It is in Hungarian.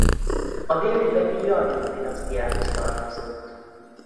A dél-tibeti Jarlung-dinasztiához tartozott.